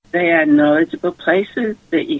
mereka adalah tempat yang mengetahui